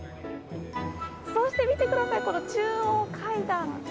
そして、見てください、この中央階段。